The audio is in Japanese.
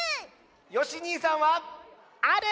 よしにいさんは⁉ある！